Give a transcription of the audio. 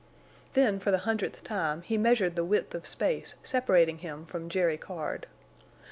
Then for the hundredth time he measured the width of space separating him from Jerry Card.